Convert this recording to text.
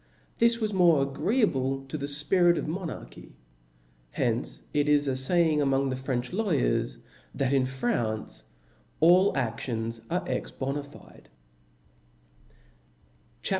This was more agreeable to the fpirit of monarchy. Hence itis a laying among the French lawyers, that in France * allaSions are ex bona fide. CHAP.